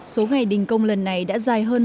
số ngày đình công lần này đã dài hơn